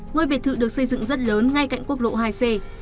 ngôi biệt thự được xây dựng rất lớn ngay cạnh quốc lộ hai c